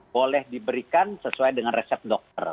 boleh diberikan sesuai dengan resep dokter